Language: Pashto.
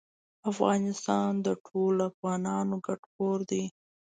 افغانستان د ټولو افغانانو ګډ کور دی